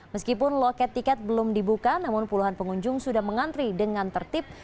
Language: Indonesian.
meskipun loket tiket belum dibuka namun puluhan pengunjung sudah mengantri dengan tertib